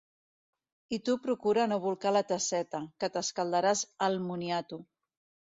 I tu procura no bolcar la tasseta, que t’escaldaràs el moniato.